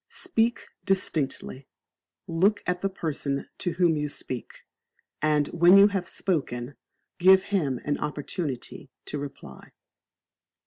Speak Distinctly, look at the person to whom you speak, and when you have spoken, give him an opportunity to reply.